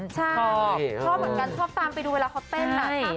ชอบชอบเหมือนกันชอบตามไปดูเวลาเขาเต้น